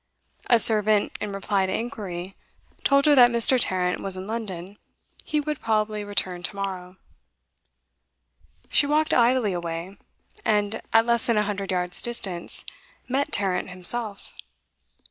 A servant, in reply to inquiry, told her that Mr Tarrant was in London; he would probably return to morrow. She walked idly away and, at less than a hundred yards' distance, met Tarrant himself.